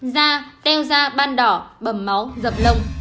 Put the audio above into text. da teo da ban đỏ bầm máu dập lông